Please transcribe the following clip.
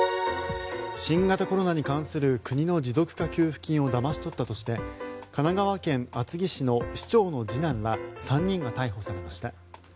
新型コロナに関する国の持続化給付金をだまし取ったとして神奈川県厚木市の市長の次男ら３人が逮捕されました。